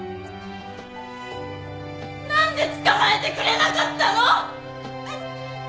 なんで捕まえてくれなかったの！？